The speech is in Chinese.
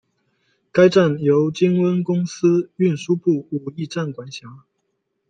该站由金温公司运输部武义站管辖。